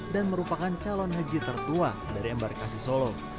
dan merupakan calon haji tertua dari embar kasi solo